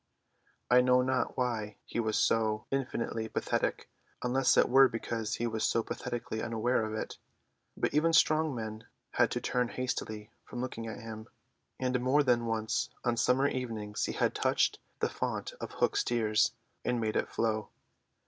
I know not why he was so infinitely pathetic, unless it were because he was so pathetically unaware of it; but even strong men had to turn hastily from looking at him, and more than once on summer evenings he had touched the fount of Hook's tears and made it flow.